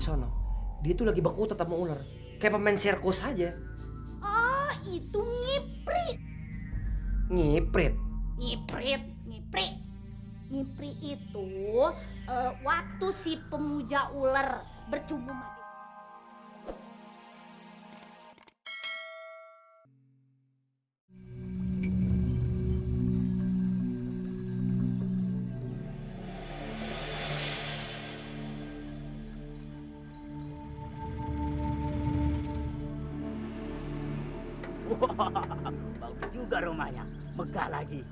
wow bagus juga rumahnya megah lagi